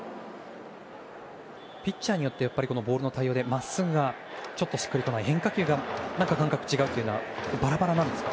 ピッチャーによってボールの対応で、まっすぐがちょっとしっくり来ない変化球の感覚が違うというのはバラバラなんですか？